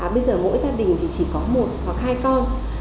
bây giờ mỗi gia đình thì chỉ có một hoặc hai con